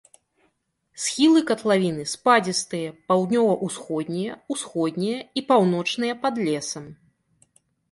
Схілы катлавіны спадзістыя, паўднёва-ўсходнія, усходнія і паўночныя пад лесам.